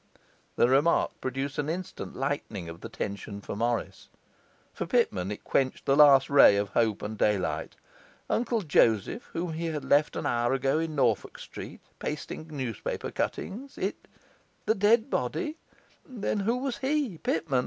This remark produced an instant lightening of the tension for Morris. For Pitman it quenched the last ray of hope and daylight. Uncle Joseph, whom he had left an hour ago in Norfolk Street, pasting newspaper cuttings? it? the dead body? then who was he, Pitman?